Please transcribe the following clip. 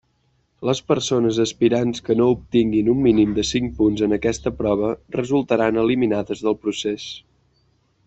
Les persones aspirants que no obtinguin un mínim de cinc punts en aquesta prova resultaran eliminades del procés.